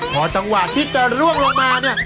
พอจังหวะที่จะร่วงลงมาเนี่ย